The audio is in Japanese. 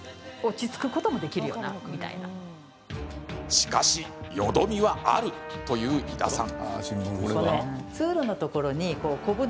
しかし、よどみはあるという井田さん。